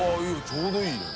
ちょうどいいね。